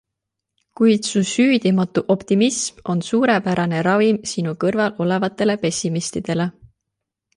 Kuid su süüdimatu optimism on suurepärane ravim sinu kõrval olevatele pessimistidele.